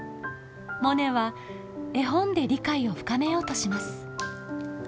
モネは絵本で理解を深めようとします。